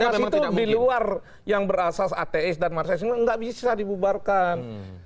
dengan undang undang ormas itu di luar yang berasas ats dan marsesional nggak bisa dibubarkan